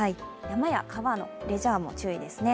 山や川のレジャーも注意ですね。